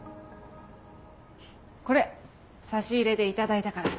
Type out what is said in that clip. これ差し入れで頂いたから。